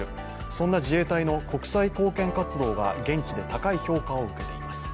そんな自衛隊の国際貢献活動が現地で高い評価を受けています。